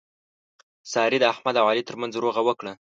سارې د احمد او علي ترمنځ روغه وکړه.